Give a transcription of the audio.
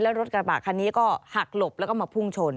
รถกระบะคันนี้ก็หักหลบแล้วก็มาพุ่งชน